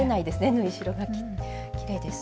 縫い代がきれいです。